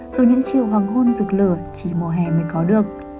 rồi những chiều hoàng hôn rực lửa chỉ mùa hè mới có được